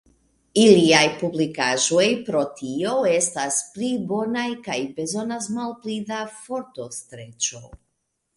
Iliaj publikaĵoj pro tio estas pli bonaj kaj bezonas malpli da fortostreĉo.